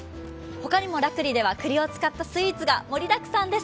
他にも楽栗ではくりを使ったスイーツが盛りだくさんです。